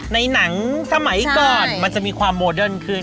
ในหนังสมัยก่อนมันจะมีความโมเดิร์นขึ้น